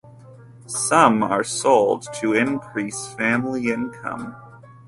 Some are sold to increase family income.